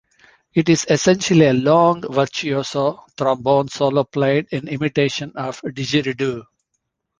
It is essentially a long, virtuoso trombone solo played in imitation of the didgeridoo.